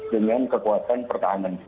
dengan kekuatan pertahanan